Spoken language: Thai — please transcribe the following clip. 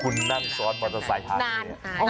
คุณนั่งซ้อนบอทแซนท์ฮาเล